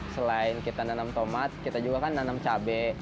selain kita nanam tomat kita juga kan nanam cabai